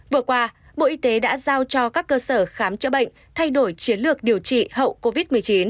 vừa qua bộ y tế đã giao cho các cơ sở khám chữa bệnh thay đổi chiến lược điều trị hậu covid một mươi chín